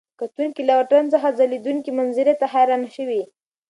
کتونکي له واټن څخه ځلېدونکي منظرې ته حیران شوي.